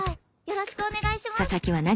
よろしくお願いします。